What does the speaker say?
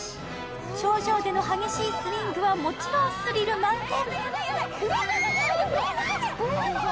頂上での激しいスイングは、もちろんスリル満点。